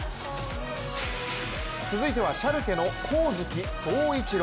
続いてはシャルケの上月壮一郎。